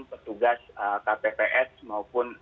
petugas kpps maupun